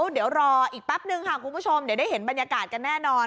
เดี๋ยวรออีกแป๊บนึงค่ะคุณผู้ชมเดี๋ยวได้เห็นบรรยากาศกันแน่นอน